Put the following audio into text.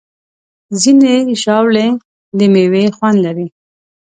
ځینې ژاولې د میوې خوند لري.